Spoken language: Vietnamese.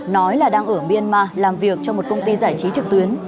nói là đang ở myanmar làm việc trong một công ty giải trí trực tuyến